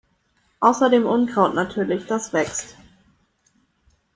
Außer dem Unkraut natürlich, das wächst.